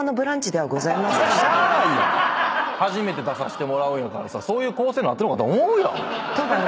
初めて出させてもらうんやからさそういう構成になってるのかと思うやん。